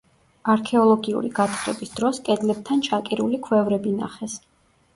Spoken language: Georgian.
არქეოლოგიური გათხრების დროს კედლებთან ჩაკირული ქვევრები ნახეს.